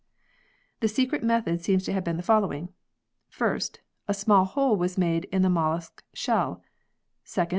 The secret method seems to have been the following : 1st. A small hole was made in the mollusc shell ; 2nd.